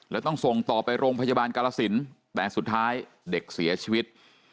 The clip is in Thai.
แล้วต้องส่งต่อไปโรงพยาบาลกาลสินแต่สุดท้ายเด็กเสียชีวิต